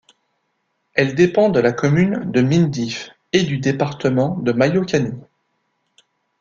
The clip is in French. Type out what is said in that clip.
Elle dépend de la commune de Mindif et du département de Mayo-Kani.